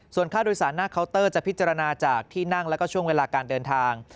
ส่วนค่าโดยสารหน้าเคาน์เตอร์จะพิจารณาจากที่นั่งแล้วก็ช่วงเวลาการเดินทาง